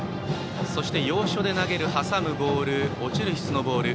そして、要所で投げる挟むボール落ちる質のボール。